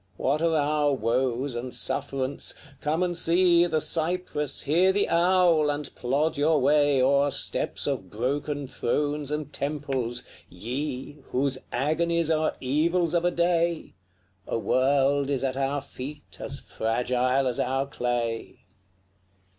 What are our woes and sufferance? Come and see The cypress, hear the owl, and plod your way O'er steps of broken thrones and temples, Ye! Whose agonies are evils of a day A world is at our feet as fragile as our clay.